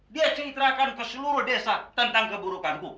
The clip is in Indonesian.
dia ceritakan ke seluruh desa tentang keburukanku